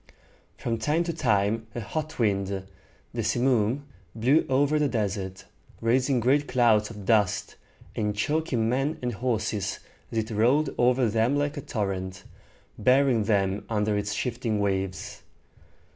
From time to time a hot wind, the simoom, blew over the desert, raising great clouds of dust, and choking men and horses as it rolled over them like a torrent, burying them under its shifting waves.